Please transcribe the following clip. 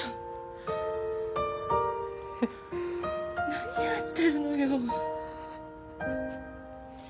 何やってるのよ